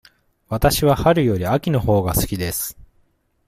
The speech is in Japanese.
わたしは春より秋のほうが好きです。